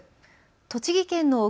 栃木県の奥